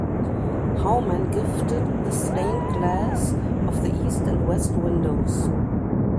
Howman gifted the stained glass of the east and west windows.